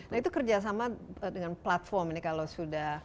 nah itu kerjasama dengan platform ini kalau sudah